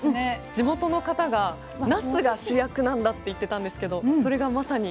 地元の方がなすが主役なんだって言ってたんですけどそれがまさに。